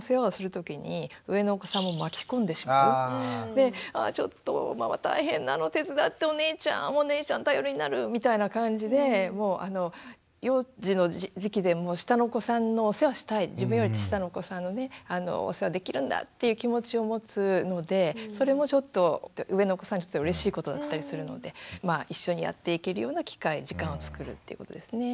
で「ちょっとママ大変なの手伝ってお姉ちゃんお姉ちゃん頼りになる」みたいな感じで幼児の時期でも下のお子さんのお世話したい自分より年下のお子さんのねお世話できるんだっていう気持ちを持つのでそれもちょっと上のお子さんにとってはうれしいことだったりするので一緒にやっていけるような機会時間をつくるっていうことですね。